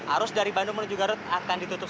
arus dari bandung menuju garut akan ditutup